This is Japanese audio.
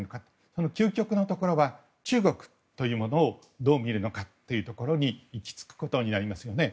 この究極のところは中国というものをどう見るのかというところに行きつくことになりますよね。